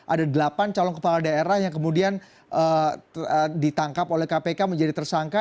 ada delapan calon kepala daerah yang kemudian ditangkap oleh kpk menjadi tersangka